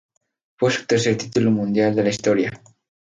Fue su tercer título mundial de la historia.